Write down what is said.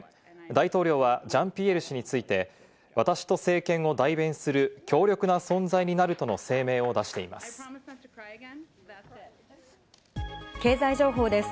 大統領はジャンピエール氏について私と政権を代弁する強力な存在になるとの声明を出しています。